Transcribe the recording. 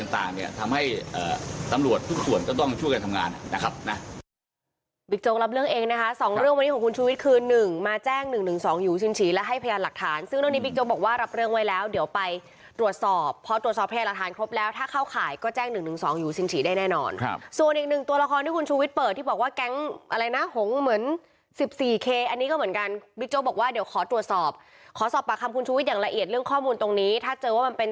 ที่ชุวิตหรือเพจต่างทำให้ตำรวจทุกส่วนก็ต้องช่วยกันทำงานนะครับ